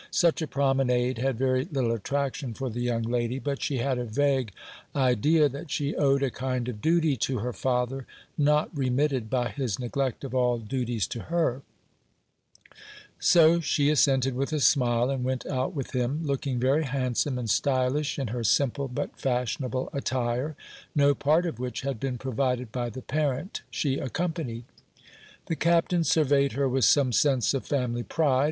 Such a promenade had very little attraction for the young lady; but she had a vague idea that she owed a kind of duty to her father not remitted by his neglect of all duties to her; so she assented with a smile, and went out with him, looking very handsome and stylish in her simple but fashionable attire, no part of which had been provided by the parent she accompanied. The Captain surveyed her with some sense of family pride.